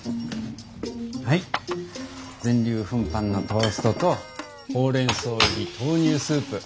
はい全粒粉パンのトーストとほうれんそう入り豆乳スープ。